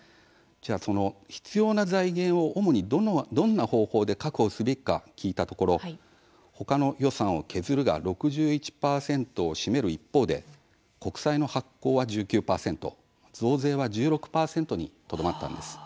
その必要な財源を主にどんな方法で確保すべきか聞いたところ他の予算を削るが６１％を占める一方で国債の発行は１９％増税は１６％にとどまったんです。